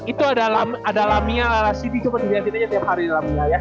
itu ada lamia lalasidi coba lihatin aja tiap hari lamia ya